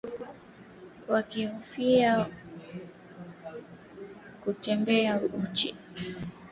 Wakihofia kutokea mapinduzi zaidi viongozi wa